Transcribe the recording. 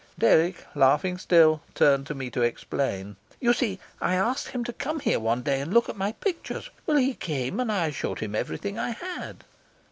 Dirk, laughing still, turned to me to explain. "You see, I asked him to come here one day and look at my pictures. Well, he came, and I showed him everything I had."